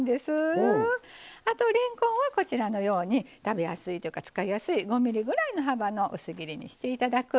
あとれんこんはこちらのように食べやすいというか使いやすい５ｍｍぐらいの幅の薄切りにしていただく。